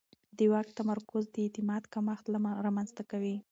د واک تمرکز د اعتماد کمښت رامنځته کوي